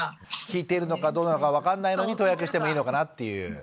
効いているのかどうなのか分かんないのに投薬してもいいのかなっていう。